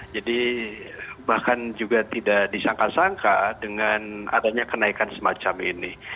jadi bahkan juga tidak disangka sangka dengan adanya kenaikan semacam ini